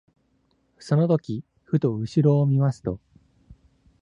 その時ふと後ろを見ますと、